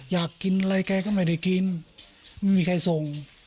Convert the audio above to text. อยากกินอะไรแกก็ไม่ได้กินไม่มีใครส่ง